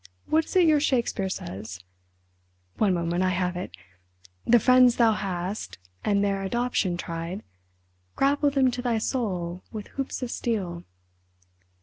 What is it your Shakespeare says? One moment, I have it. The friends thou hast, and their adoption tried—grapple them to thy soul with hoops of steel!"